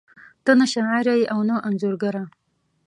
ته نه شاعره ېې او نه انځورګره